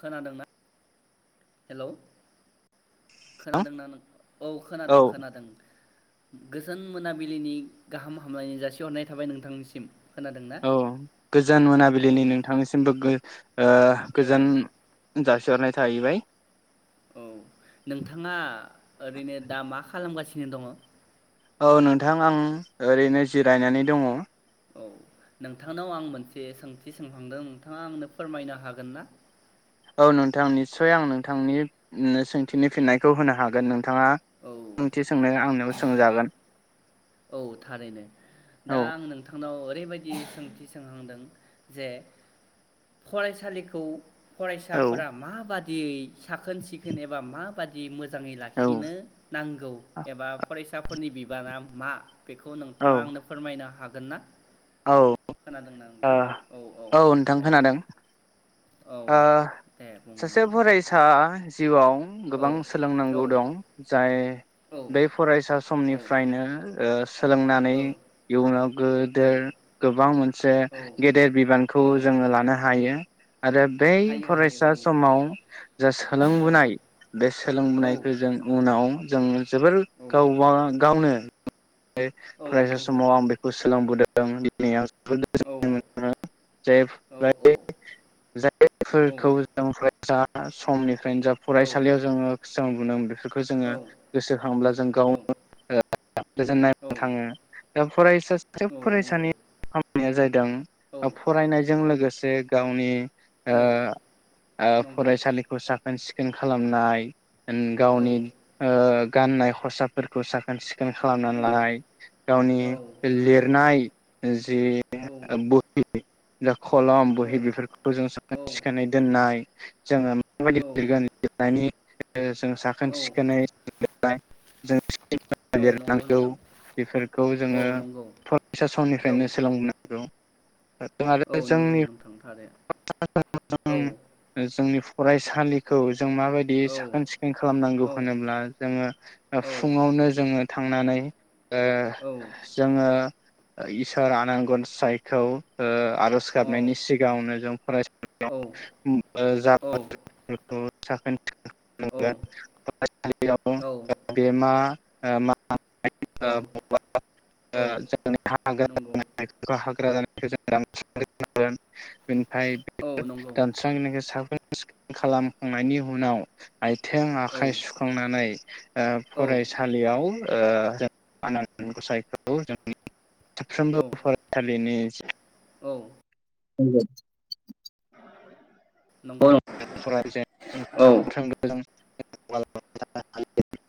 खोनादोंना हेलोव। औ खोनादों ना नों औ खोनादों- खोनादों। गोजोन मोनाबिलिनि गाहाम हामलायनाय जासिहरनाय थाबाय नोंथांनिसिम। खोनादोंना औ गोजोन औ मोनाबिलिनि नोंथांनिसिमबो गो ओ ओ गोजोन जासिहरनाय थाहैबाय औ नोंथाङा ओरैनो दा मा खालामगासिनो नो दङ औ नोंथां आं ओरैनो जिरायनानै दङ औ नोंथांनाव आं मोनसे सोंथि सोंहांदों नोंथाङा आंनो फोरमायनो हागोन ना औ नोंथां निस्सय आं नोंथांनि सोंथिनो फिननायखौ होनो हागोन नों नोंथाङा औ ओंथि सोंनाय आंनियाव सोंजागोन औ थारैनो औ दा आं नोंथां नाव ओरैबायदि सोंथि सोंहांदों जे फरायसालिखौ औ फरायसाफोरा माबादि दियै साखोन सिखोन एबा मा बादि‌ मो मोजाङै औ लाखिनो नांगौ एबा फराय साफोरनि बिबाना मा बेखौ औ नोंथाङा आंनो फोरमायनो हा गोन ना औ ओ खोनादोंना नोंथां औ नोंथां दे खोनादों औ आ दे बुं सासे नोंथां फरायसा जिवाव औ गोबां औ सोलोंनांगौ दं जाय औ बे फरायसा समनिफ्रायनो ओ सोलोंनानै औ इयुनाव गो औ गोदोर बा मोन मोनसे औ गेदेर बिबानखौ औ जोङो लानो हायो आरो बै हायो हायो फरायसा समाव जा औ सोलोंबोनाय बे औ सोलोंबोनायखौ जों उनाव जोङो जोबोर औ गावबा गावनो औ फरायसा नंगौ समाव आं बेखौ सोलोंबोदों [unintelligible] [unintelligible] औ औ जायफोरखौ औ जों फरायसा समनि। जा फरायसालियाव जोङो। बे [unintelligible] जोङो औ गोसोखाङोब्ला जों औ गावनाय औ थाङो दा फरायसा सासे [unintelligible] नंगौ फरायसानि खामानिया औ जाहैदों फरायनायजों लोगोसे। जे गावनि। ओ औ ओ नंगौ फरायसालिखौ साखोन सिखोन। पेेन खालामनाय। औ गावनि ओ। गाननाय खसाफोरखौ साखोन सिखो। खालामनानै औ लाय गावनि औ [unintelligible] नंगौ नाय जे औ बहि। खलम औ बोहि बेफोरखौ जों सिखोनै दोननाय। जोङो। [unintelligible] औ [unintelligible] जों साखोन औ सिखोनै। जों औ नंगौ लिरनांगौ नोंथां बेफोरखौ औ जोङो। नंगौ फरायसा औ समनिफ्रायनो सोलोंबोनांगौ। आरो औ नंगौ जोंनि नोंथां थारै औ जोंनि। फरायसालिखौ। जों माबायदि औ साखोन सिखोन खालामनांगौ औ होनोब्ला जोङो औ फुङावनो जोङो। थांनानै। ओ औ जोङो। इसार आन गनसायखौओ। आरज औ गाबनायनि सिगाङावनो जों औ फरायसालियाव ओ। साखोन। फरायसालियाव बेमा। ओ मा। औ औ। [unintelligible] [unintelligible] नंगौ औ नंगौ [unintelligible] खालामखांनायनि उनाव आइथें औ आखाइ सुखांनानै ओ औ फरायसालियाव ओ जों आनान गसाइखौ जों साफ्रोमबो फरायसालिनि औ नंग [unintelligible] [unintelligible] आरस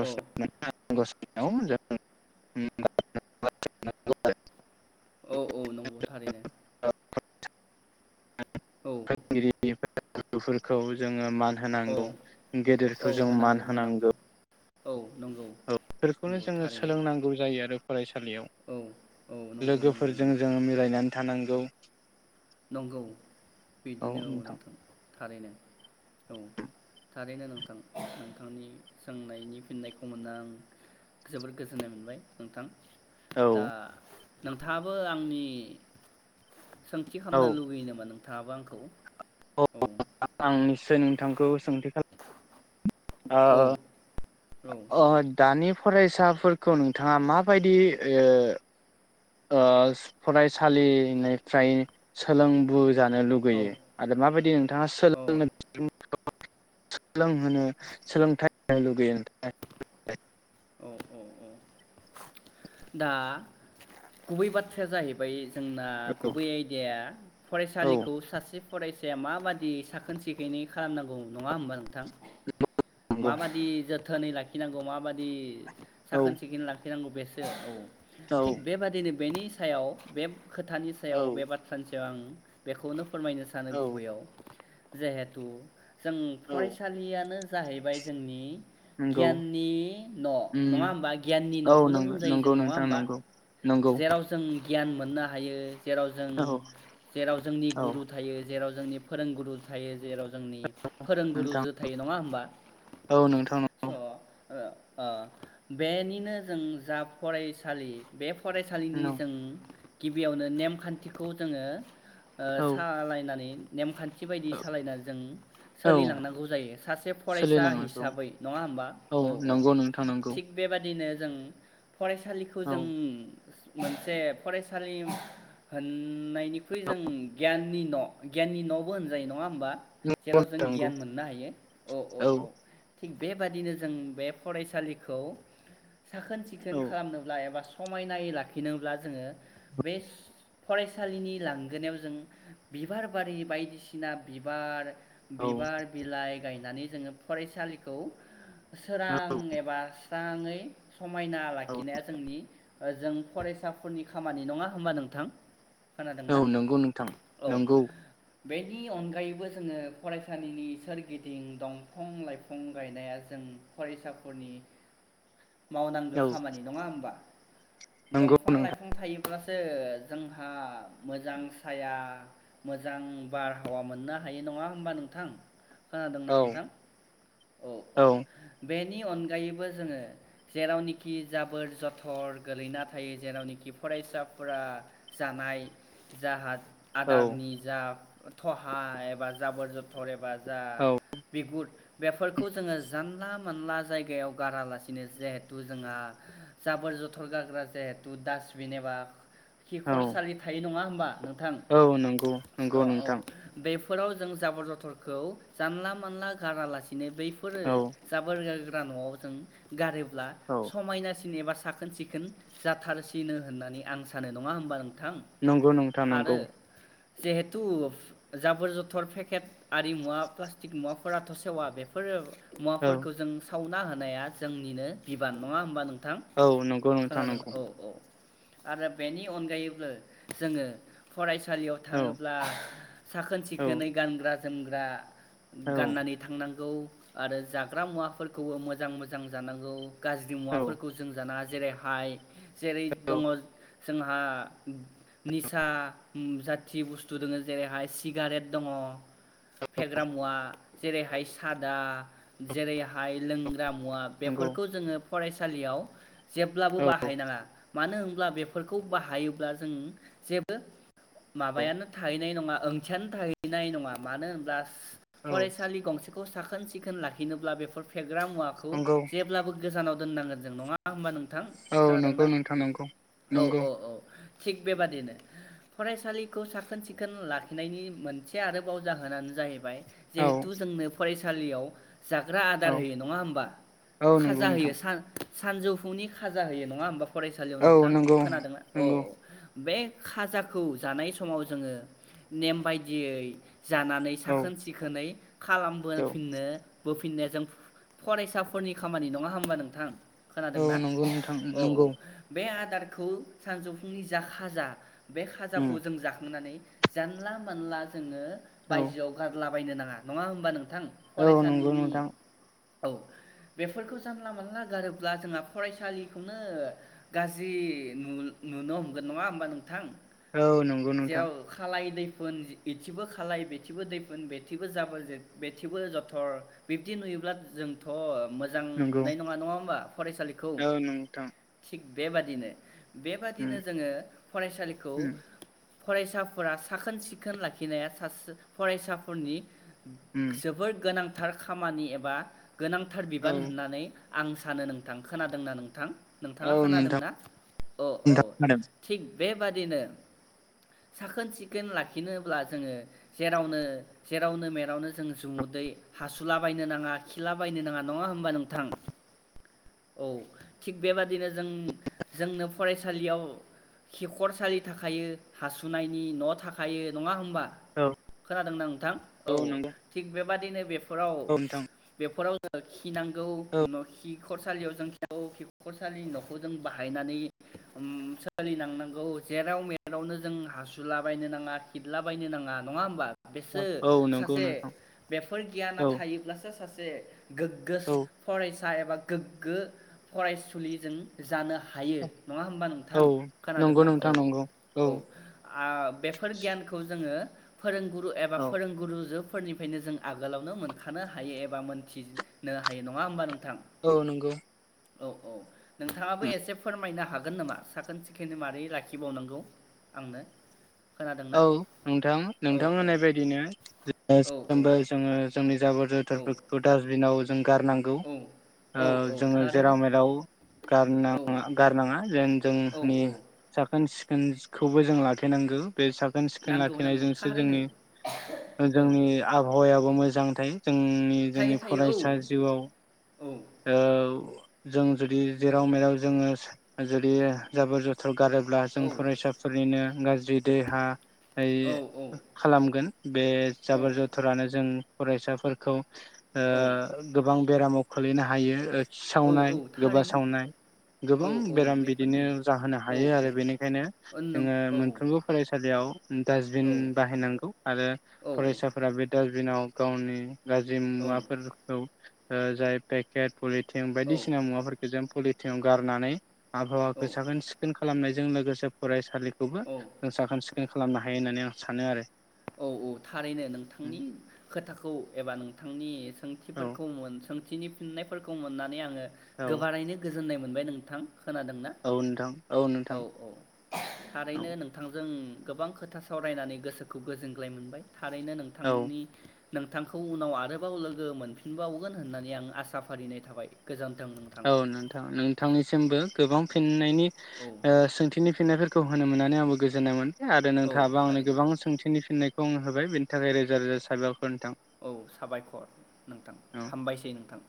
औ औ आनान‌ गसाइ [unintelligible] औ औ नंग' थारैनो। फोरोंगिरि [unintelligible] औ [unintelligible] फोरखौ जोङो मान औ होनांगौ गेदेरखौ जों मान होनांगौ। औ। नंगौ औ बेफोरखौनो नंगौ जोङो थारैनो सोलोंनांगौ जायो आरो फरायसा लियाव औ औ नंगौ नंगौ लोगोफोरजों नंगौ जोङो मिलायनानै थानां गौ नंगौ बिदिनो औ नोंथां। थारैनो। औ थारैनो नोंथां नोंथांनि सोंनायनि फिननायखौ मोनना आं जोबोर गोजोननाय मोनबाय नोंथां। औ दा नोंथाङाबो आंनि सों थि खामनो लुगैयो नामा‌ नों थाङाबो आंखौ? औ [unintelligible] आंनि नोंथांखौ सोंथि खालाम ओ अह औ औ दा दानि फरायसाफोरखौ नोंथाङा माबायदि ओ ओ फरायसालिनिफ्राय सोलोंबु जानो औ लुुगैयो आरो माबायदि नोंथाङा औ सोलों [unintelligible] [unintelligible] सोलोंहोनो सोलोंथाइ होनो लुगैयो नोंथां [unintelligible] औ औ औ दा गुबै बाथ्राया जाहैबाय जोंना औ गुबै आयदाया औ फरायसालिखौ सासे फरायसाया माबादि साखोन सिखोनै खालामनांगौ नङा होमबा नोंथां मा नंगौ बादि जों जोथोनै लाखिनांगौ माबायदि औ साखोन सिखोन लााखि नांगौ बेसो औ औ थिग बेबादिनो बेनि नि सायाव बे खोथानि सायाव बे औ बाथ्रानि आं बेखौनो फोरमायनो सानो औ गुबैयाव जिहेथु जों औ फरायसालियानो जाहैबाय जोंनि नंगौ गियाननि न उम नङा होमबा गियाननि औ नखौनो नंगौ बुंजायो जों नंगौ नङा नोंथां होमबा नंगौ नंगौ जेराव जों गियान मोननो हायो जेराव जों औ जेराव जोंनि औ गुरु थायो जेराव जोंनि फोरोंगुरु थायो जेराव जोंनि नोंथां फोरोंगुरुजों थायो नङा होम औ नोंथां नंगौ ओ ओ बेनिनो जों जा फरायसालि बे फरायसालिनि जों गिबियावनो नेमखान्थिखौ जोङो ओ औ सालायनानै नेमखान्थि बि बायदि औ सालायना जों औ सोलिलांनांगौ जायो सासे फरायसा सोलिनांगौ हिसाबै नङा होमबा औ औ नंगौ नोंथां नंगौ थिग बेबादि बिदिनो जों फरायसालिखौ औ जों मोनसे फरायसालि होननायनिख्रुइ जों गियाननि न गियाननि नबो होनजायो नङा बा नंगौ जेराव जों नंगौ गियान मोननो हायो औ थिग बेबादिनो जों बे फरायसालिखौ साखोन सिखोन औ खालामनोब्ला एबा समायनाय लाखिनोब्ला जोङो बे फरायसालिनि लांगोनायाव जोङो बिबार बारि बायदिसिना बिबार औ बिबार बिलाइ गायनानै जोङो फरायसालिखौ सोरां नंगौ एबा सो जाङै समायना औ लाखिनाया जोंनि ओ जों फरायसाफोरनि खामानि नङा होमबा नोंथां औ खोनादोंना नंगौ नोंथां औ नंगौ बेनि अनगायैबो जोङो फरायसालिनि सोर गिदिं दंफं लाइफं गायनाया जों फरायसाफोरनि मावनांगो औ खामानि नङा होमबा नंगौ दंफां नोंथां लाइफां थायो अब्लासो जोंहा मोजां साया मोजां बारहावा मोननो हायो नङा होमबा नोंथां खोनादोंना औ नोंथां औ औ बे बेनि अनगायैबो जोङो जेरावनोखि जाबोर जथर गोलैना थायो जेरावनोखि फरायसाफोरा जानाय जाहाद औ आदारनि जा थहा एबा जाबोर जथर एबा जा औ बिगुुद बेफोरखौ जोङो जानला मोनला जायगायाव गारालासिनो जिहेथु जोंहा जाबोर जथर गारग्रा जिहेथु दासबिन एबा औ खिखरसालि थायो नङा होम मा नों औ नंगौ नंगौ नोंथां फोराव जों जाबोर जथर खौ जानला मानला गारालासे बिनो बैफोरो औ जाबोर गारगा ग्रा नआव जों गारोब ब्ला औ समायनासिन एबा सा साखोन-सिखोन जाथारसिनो होननानै आं सानो नङा होमबा नों नंगौ नोंथां नंगौ जिहेतु जाबोर जथर पेकेट आरि मुवा प्लास्टिक मुवाफोराथ सेवा बेफोरो औ मुवाफोरखौ जों सा सावना होनाया जोंनिनो बिबान नङा होमबा नों थां औ नंगौ नोंथां खोनादों नंगौ औ औ आरो बेनि अनगायैबो जोङो फरायसा थानसालियाव औ थाङोब्ला साखोन औ सिखोनै गानग्रा जोमग्रा। औ गाननानै थांनां गौ आरो जाग्रा मुवाफोरखौबो मोजां मोजां जानांगौ। गाज्रि औ मुवाफोरखौ जों जानाङा। जेरैहाय। जेरै औ दङ'। जोंहा निसा जाथि बुस्थु दङ' जेरैहाय सिगारेट दङ'। फेग्रा मुवा। जेरैहाय सादा जेरैहाय लों गा मुवा नंगौ बेफोरखौ जोङो। फरायसालियाव। जेब्लाबो औ बाहायनाङा। मानो होनब्ला बेफोरखौ बाहायोब्ला जों जेबो। औ माबायानो थाहैनाय नङा। ओंथियानो थाहैनाय नङा। मानो होनब्ला। औ फरायसालि गंसे। खौ साखोन सिखोन लाखिनोब्ला बेफोर फेग ग्रा मुवाखौ नंगौ जेब्लाबो गोजानाव। दोननांगोन जों नङा होमबा नों थां औ नंगौ खोनादोंना? नोंथां नंगौ औ नंगौ औ औ। थिग बेबादिनो फरायसालिखौ साखोन सिखोन लाखिनायनि मोनसे आरो। गाव जाहोनानो जाहैबाय। औ जिहेथु जोंनो फरायसा सालियाव। जाग्रा आदार औ होयो नङा होमबा औ नंगौ खाजा होयो नोंथां सान। सानजौफुनि खाजा होयो नङा होमबा। फरायसालियाव औ नोंथां नंगौ खोनादोंना औ नंगौ औ। बे खाजाखौ जानाय समाव जोङो नेम बायदियै। जानानै औ साखोन सिखोनै औ खालामबोफिननोबो। फिनायजों फरायसाफोरनि खामानि नङा होनबा नोंथां? औ खोनादोंना नंगौ नोंथां औ औ नंगौ बे आदारखौ सानजौफुंनि जा खाजा बे उम खाजाखौ जों जाखांनानै जानला मोनला जोंङो औ बायजोआव गारला बायनो नाङा नङा होमबा थां औ नंगौ फरायसालिनि नोंथां औ बेफोरखौ जानला मोनानला गारोब्ला जोंहा फरायसालिखौनो गाज्रि नु-नुनो हमगोन नङा होमबा नोंथां? औ नंगौ नोंथां। जेराव खालाय इथिबो खालबाय बेथिबो दैफोन बेथिबो जाबोर बेथिबो जथर बिब्दि नुयोब्ला जोंथ मोजां नंगौ नुनाय नङा नङा होमबा फरायसालिखौ औ नोंथां थिग बेबादिनो उम बेबादिनो जोंङो फरायसालिखौ उम फरायसाफोरा साखोन सिखोन लाखिनाया सासे फरायसाफोरनि उम जोबोद गोनां थार खामानि एबा गोनांथार औ बिबान होननानै आं सानो नोंथां खोनादोंना नोंथां? औ नोंथाङा नोंथां खोनादोंना औ औ नोंथां खोनादों थिग बेबादिनो साखोन सिखोन लाखिनोब्ला जोंङो जेरावनो जेरावनो मेरावनो जों जुदै हासुलाबायायनो नाङा खिला बायनो नाङा नङा होमबा नोंथां औ थिग बेबादिनो जों जोंनो फरायसालियाव खिखरसालि थाखायो हासुनायनि न थाखायो नङा होमबा? औ खोनादों ना नोंथां औ थिग बे बादिनो बे फोराव बेफोराव [inaudible] खिनांगौ न'खि खिखरसालियाव जों खिनांगौ खिखरसालि न'खौ जों बाहायनानै सोलिनांनांगौ जेराव मेरावनो जों हासुलाबायनो नाङा खिलाबायनो नाङा। नङा होमबा बेसो औ सासे नोंथां बेफोर गियाना औ नंगौ थायोब्लासो सासे से नोंथां गोग्गो औ फरायसा था एबा गोग्गो फरायसुलिजों जानो हा हायो नङा होमबा औ नोंथां नंगौ खोनादोंना? औ नोंथां नंगौ औ आ बेफोर गियानखौ जोङो फोरोंगुर रु एबा औ फोरोंगुरुजो फोरनिफायनो जों आगोलावनो मोनखानो हायो। एबा मोनथिनो हायो नङा होमबा नों औ नंगौ। औ औ नोंथाङाबो एसे फोरमायनो हाग गोन नामा साखोन सिखोनै मारै लाखिबावनांगौ आंनो खोनादोंना औ नोंथां नों औ थां औ होनाय बायदिनो [unintelligible] औ साफ्रोमबो जोङो जोंनि जाबोर जोथोरफोरखौ डासबिनाव जों गारनां गौ औ औ ओ औ जोङो थारैनो जेराव मेराव गारनो औ नाङा गारनाङा जों औ जोंनि औ साखोन सि सिखोनखौबो जों लाखि नांगौ। बेसाग खोन औसिखोन नांगौ नांगौ लाखिनायजोंसो थारैनो जोंनि ओ औ जोंनि आबहावायाव बु मोजां थायो। जोंनि थायो जोंनि थायो औ फरायसा जिउआव औ जों जुदि जेराव मेराव जोङो जुदि जाबोर जोथ गारोब्ला जों औ फरायसाफोरनिनो गाज्रि देहा आय औ ए खालामगोन बे औ जाबोर जथोरानो जों फरायसाफोरखौ ओ औ गोबां बेरामाव खोलैनो हायो ओ औ खिसावनाय औ गोबा थारैनो सावनाय औ गोबां औ बेराम बिदिनो बेफोरनो जाहोनो औ हायो औ आरो बेनिखायनो ओ नों जोङो औ मोनफ्रोमबो सालियाव औ डासबिन बाहायनांगौ आरो औ फरायसाफोरा बे डास बिनाव गावनि गाज्रि मुवाफोरखौ ओ जाय पेकेट पलिटिन औ बायदिसिना मुवाफोरखौ जों पलि थिं गारनानै। आबहावाखौ साखोन सिखोन खालामनाय। जों लोगोसे फरायसालि। खौबो। औ सिखोन खालामनो हायो होननानै आं सानो आरो। औ औ थारैनो नोंथांनि खोथाखौ एबा नोंथांनि। औ सोंथिफोरखौ [unintelligible] [unintelligible] फिननायफोरखौ मोननानै आङो गोबारैनो गोजोननाय। मोनबाय नोंथां। खोनादोंना औ नोंथां औ नोंथां औ [inaudible] औ थारैनो नोंथांजों गोबां खोथा सावरायनानै गोसो। गोजोनग्लाय मोनबाय। थारैनो औ नोंथांनि। नोंथांखौ उनाव आरोबाव लोगो मोनफिनबावगोन होननानै आं आसा फारिनाय थाबाय गोजोन। औ नोंथां नोंथांनिसिमबो। गोबां फिननायनि। औ ओ सोंथिनि फिननायफोर। खौ होनो मोन्नानै आंबो गोजोन्नायमोन। आरो औ नोंथाङाबो आंनो थारैनो गोबां सोंथिनि फिननाय। [unintelligible] होबाय बेनि थाखाय रोजा रोजा साबायखर नोंथां औ साबायखर नोंथां औ हामबायसै नोंथां।